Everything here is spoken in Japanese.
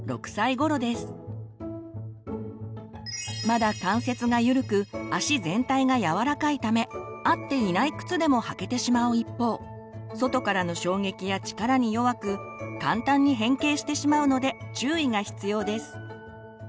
まだ関節がゆるく足全体がやわらかいため合っていない靴でも履けてしまう一方外からの衝撃や力に弱く簡単に変形してしまうので注意が必要です。